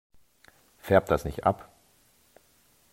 Färbt das nicht ab?